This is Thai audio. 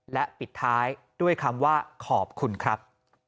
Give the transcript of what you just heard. และปิดท้ายด้วยคำว่าขอบคุณครับ